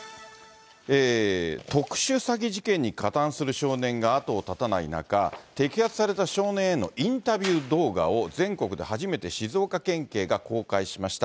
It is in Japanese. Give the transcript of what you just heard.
特殊詐欺事件に加担する少年が後を絶たない中、摘発された少年へのインタビュー動画を全国で初めて静岡県警が公開しました。